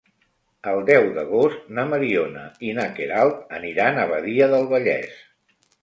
El deu d'agost na Mariona i na Queralt aniran a Badia del Vallès.